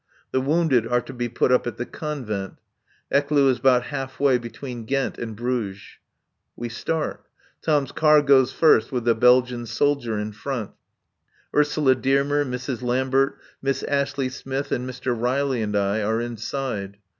The wounded are to be put up at the Convent. Ecloo is about half way between Ghent and Bruges. We start. Tom's car goes first with the Belgian soldier in front. Ursula Dearmer, Mrs. Lambert, Miss Ashley Smith and Mr. Riley and I are inside.